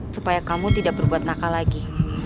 supaya kamu tidak berbuat nakal lagi